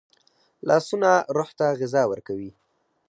لاسونه روح ته غذا ورکوي